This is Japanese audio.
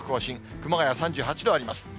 熊谷３８度あります。